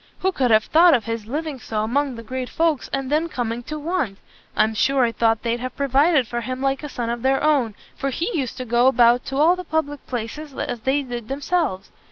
Who could have thought of his living so among the great folks, and then coming to want! I'm sure I thought they'd have provided for him like a son of their own, for he used to go about to all the public places just as they did themselves.